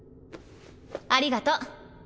ありがと。